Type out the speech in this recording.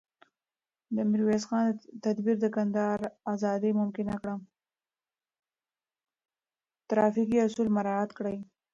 ترافیکي اصول مراعات کړئ.